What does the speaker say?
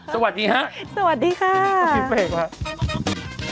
สวัสดีฮะสวัสดีค่ะต้องกินเฟรกค่ะ